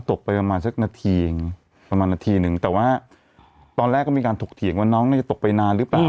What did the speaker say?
ตกไปประมาณสักนาทีเองประมาณนาทีหนึ่งแต่ว่าตอนแรกก็มีการถกเถียงว่าน้องน่าจะตกไปนานหรือเปล่า